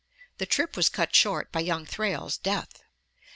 (The trip was cut short by young Thrale's death.)